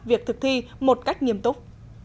việc thực thi một cách nghiêm túc